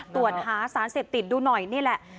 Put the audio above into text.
ตรวจหาสารเสพติดดูหน่อยนี่แหละ